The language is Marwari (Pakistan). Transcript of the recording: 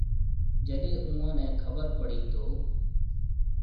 جڏيَ اُوئون نَي خبر پڙِي تو۔